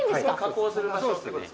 加工する場所ってこと。